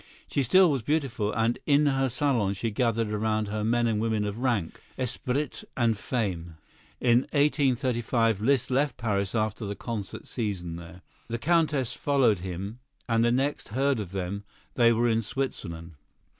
She still was beautiful, and in her salon she gathered around her men and women of rank, esprit and fame. In 1835 Liszt left Paris after the concert season there. The Countess followed him, and the next heard of them they were in Switzerland.